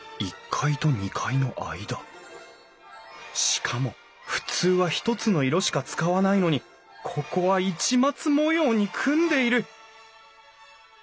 しかも普通は一つの色しか使わないのにここは市松模様に組んでいる！